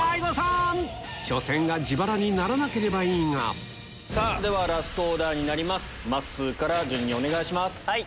初戦が自腹にならなければいいがではラストオーダーになりますまっすーから順にお願いします。